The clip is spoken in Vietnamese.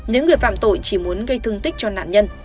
nếu người phạm tội chỉ muốn gây thương tích cho nạn nhân